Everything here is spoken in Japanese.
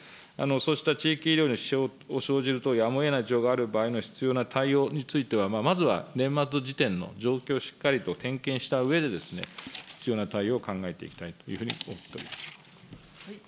そうした地域医療に支障を生じる等、やむをえない事情がある場合の必要な対応については、まずは年末時点の状況をしっかりと点検したうえで、必要な対応を考えていきたいというふうに思っております。